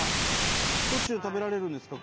しょっちゅう食べられるんですか？